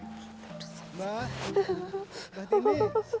mbak mbak tini